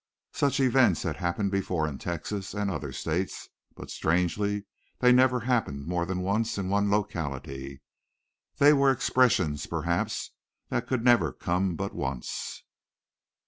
Such events had happened before in Texas and other states; but, strangely, they never happened more than once in one locality. They were expressions, perhaps, that could never come but once.